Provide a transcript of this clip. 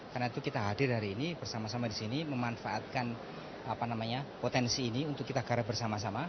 karena itu kita hadir hari ini bersama sama di sini memanfaatkan potensi ini untuk kita garap bersama sama